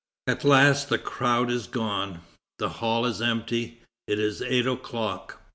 At last the crowd is gone. The hall is empty. It is eight o'clock.